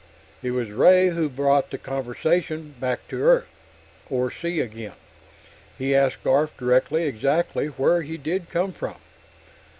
It was Ray who brought the conversation back to earth or sea again. He asked Garf, directly, exactly where he did come from.